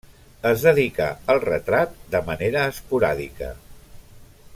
Es dedicà al retrat de manera esporàdica.